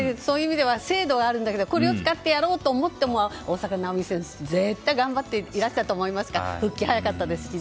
制度はあるんだけどこれを使ってやろうと思っても大坂なおみ選手絶対やろうと思っていらしたと思いますし復帰早かったですし。